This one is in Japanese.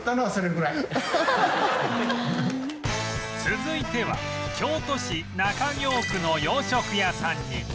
続いては京都市中京区の洋食屋さんに